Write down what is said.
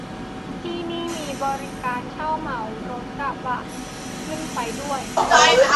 ที่นี่มีบริการเช่าเหมารถกระบะขึ้นไปด้วย